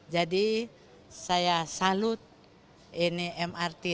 jadi saya salut ini mrt